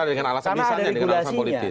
karena ada regulasinya